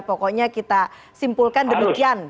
pokoknya kita simpulkan demikian